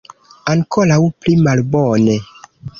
Ankoraŭ pli malbone.